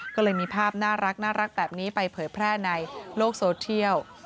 ก็เลยมีภาพน่ารักแบบนี้ไปเผยแพร่ในโลกโซเทียล